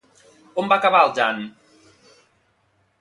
On va acabar el Jan?